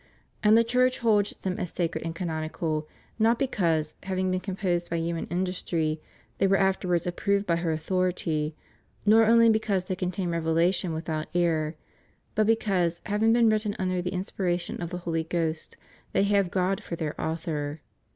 And the Church holds them as sacred and canonical not because, having been composed by human industry, they were afterwards approved by her authority, nor only because they contain revelation without error, but because, having been written under the inspiration of the Holy Ghost, they have God for their Author."